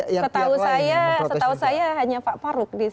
yang pihak lain yang memprotes